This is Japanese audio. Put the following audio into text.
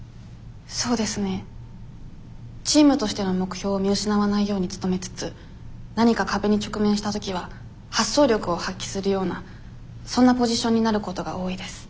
そうですねチームとしての目標を見失わないように努めつつ何か壁に直面した時は発想力を発揮するようなそんなポジションになることが多いです。